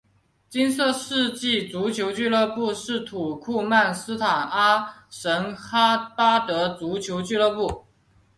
金色世纪足球俱乐部是土库曼斯坦阿什哈巴德足球俱乐部。